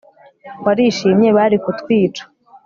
warishimye bari kutwica